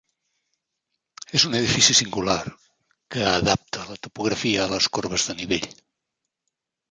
És un edifici singular, que adapta la topografia a les corbes de nivell.